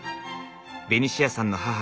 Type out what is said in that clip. ベニシアさんの母